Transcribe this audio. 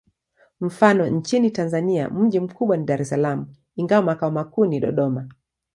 Mfano: nchini Tanzania mji mkubwa ni Dar es Salaam, ingawa makao makuu ni Dodoma.